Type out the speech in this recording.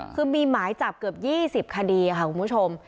คือมีหมายจับเกือบ๒๐คดีค่ะคุณผู้ชม